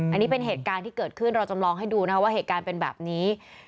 อันนี้เป็นเหตุการณ์ที่เกิดขึ้นเราจำลองให้ดูนะคะว่าเหตุการณ์เป็นแบบนี้